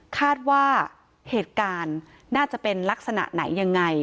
คาดว่าเหตุการณ์น่าจะเป็นลักษณะไหนยังไง